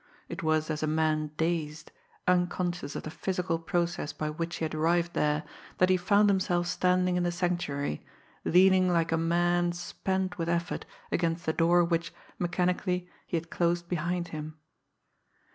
It was as a man dazed, unconscious of the physical process by which he had arrived there, that he found himself standing in the Sanctuary, leaning like a man spent with effort against the door which, mechanically, he had closed behind him.